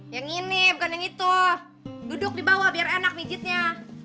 yang ini bukan yang itu duduk di bawah biar enak mijitnya